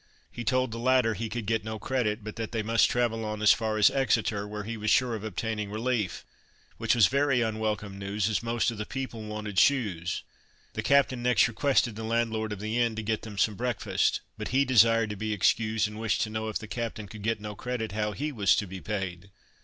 He told the latter he could get no credit, but that they must travel on as far as Exeter, where he was sure of obtaining relief, which was very unwelcome news, as most of the people wanted shoes. The captain next requested the landlord of the inn to get them some breakfast, but he desired to be excused, and wished to know if the captain could get no credit, how he was to be paid.